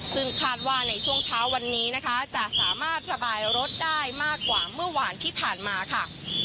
ซึ่งคาดว่าในช่วงเช้าวันนี้นะคะจะสามารถระบายรถได้มากกว่าเมื่อวานที่ผ่านมาค่ะ